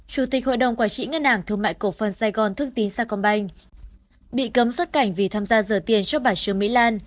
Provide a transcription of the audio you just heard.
chủ tịch hội đồng quản trị ngân hàng thương mại cổ phân sài gòn thương tín sa công banh bị cấm xuất cảnh vì tham gia giờ tiền cho bài trường mỹ lan